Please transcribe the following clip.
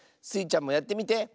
スイちゃんもやってみて。